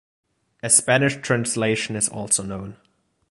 A Spanish translation is also known.